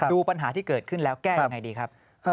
ดูปัญหาที่เกิดขึ้นแล้วแก้ยังไงดีครับ